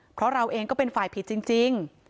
เพราะเราเองก็เป็นฝ่ายผิดจริง